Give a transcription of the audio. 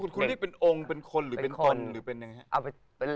คุณเรียกองค์เป็นคนหรือเป็นคน